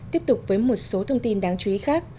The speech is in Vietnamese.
tiếp tục với một số thông tin đáng chú ý khác